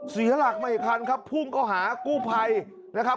ศรีธรรมเหตุคัณภ์ครับพุ่งเขาหากู้ภัยนะครับ